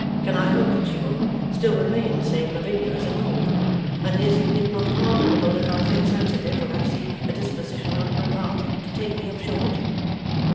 Can I hope that she will still remain the same Lavinia as of old? And is it not pardonable if I feel sensitive, when I see a disposition on her part to take me up short?